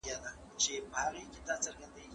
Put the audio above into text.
که خاوند بداخلاقه وي، ښځه د اصلاح حق لري.